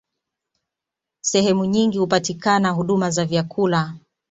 Sehemu nyingi hupatikana huduma za vyakula